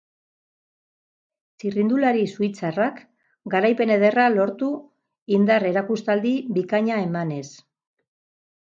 Txirrindulari suitzarrak garaipen ederra lortu indar erakustaldi bikaina emanez.